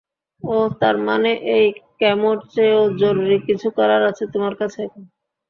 ওহ তার মানে এই কেমোর চেয়েও, জরুরী কিছু করার আছে তোমার কাছে এখন?